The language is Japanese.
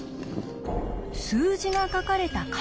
数字が書かれた階段。